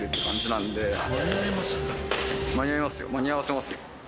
なんで間に合わせますよ